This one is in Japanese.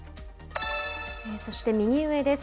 そして右上です。